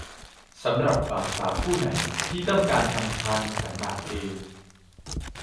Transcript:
สำหรับบ่าวสาวคู่ไหนที่ต้องการทำพานขันหมากเอง